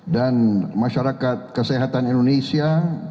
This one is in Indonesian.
dan masyarakat kesehatan indonesia